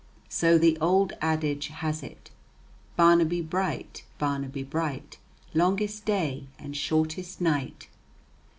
So the old adage has it: "Barnaby bright, Barnaby bright; Longest day and shortest night."